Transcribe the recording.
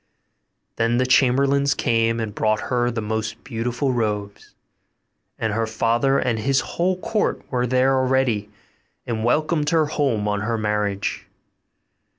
Then the chamberlains came and brought her the most beautiful robes; and her father and his whole court were there already, and welcomed her home on her marriage.